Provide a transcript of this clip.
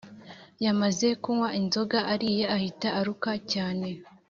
Yamaze kunywa inzoga ariye ahita aruka cyane